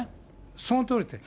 そのとおりです。